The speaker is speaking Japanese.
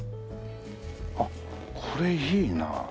あっこれいいな。